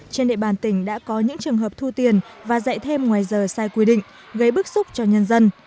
trên địa bàn tỉnh đã có những trường hợp thu tiền và dạy thêm ngoài giờ sai quy định gây bức xúc cho nhân dân